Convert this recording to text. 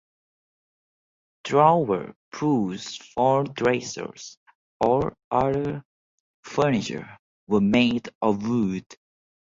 Drawer pulls for dressers or other furniture were made of wood.